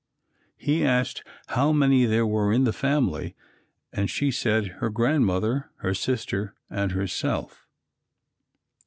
He asked how many there were in the family and she said her Grandmother, her sister and herself.